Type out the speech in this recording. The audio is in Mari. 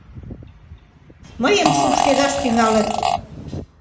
Мыйым шупшкедаш тӱҥалыт.